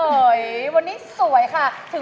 อุ๊ยวันนี้สวยค่ะถึงว่าไปแต่ก็ยังสวยอยู่